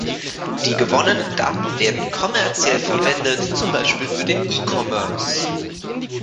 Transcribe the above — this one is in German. Die gewonnenen Daten werden kommerziell verwendet, zum Beispiel für den E-Commerce.